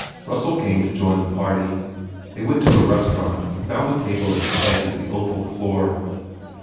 Russell came to join the party. They went to a restaurant and found a table at the edge of the oval floor.